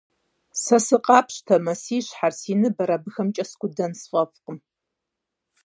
Сэ сыкъапщтэмэ, си щхьэр, си ныбэр абыхэмкӀэ скудэн сфӀэфӀкъым.